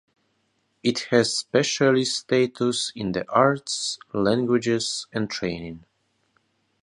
It has specialist status in the arts, languages and training.